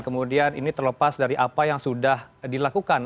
kemudian ini terlepas dari apa yang sudah dilakukan